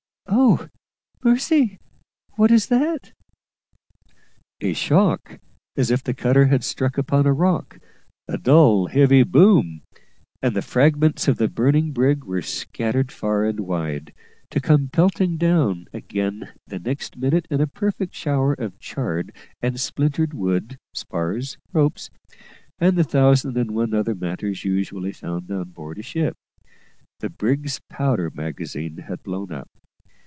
Oh, mercy! what is that?" A shock, as if the cutter had struck upon a rock a dull, heavy boom and the fragments of the burning brig were scattered far and wide, to come pelting down again the next minute in a perfect shower of charred and splintered wood, spars, ropes, and the thousand and one other matters usually found on board a ship. The brig's powder magazine had blown up.